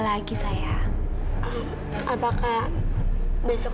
atau saya membunuh